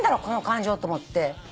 この感情と思って。